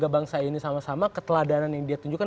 desain bangsa ini sama sama keteladanan yang divine